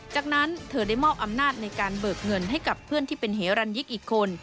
จากนั้นเธอได้มอบอำนาจในการเบิกเงินให้กับเพื่อนที่เป็นเหรันยิกอีกคน